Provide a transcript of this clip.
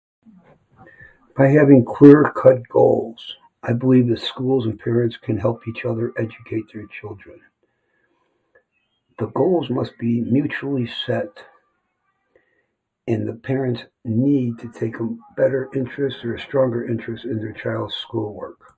By having clear cut goals, I believe that schools and parents can help each other educate their children. The goals must be mutually set and the parent need to take a better interest or a stronger interest in their child's school work.